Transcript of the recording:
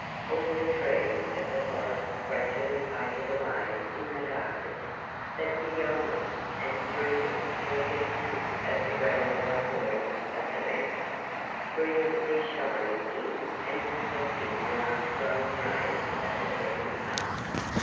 All the trees of the forest gradually faded away in the darkness, but beyond them, and through them were glimpses of the granite like walls of the mount, brilliantly shining in and reflecting the last glowing rays of the setting sun.